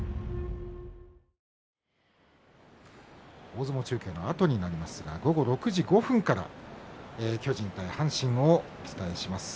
大相撲中継のあとになりますが午後６時５分から巨人対阪神をお伝えします。